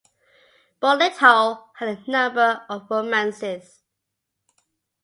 Bolitho had a number of romances.